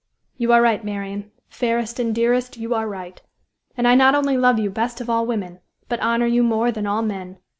"You are right, Marian fairest and dearest, you are right. And I not only love you best of all women, but honor you more than all men.